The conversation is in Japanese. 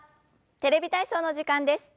「テレビ体操」の時間です。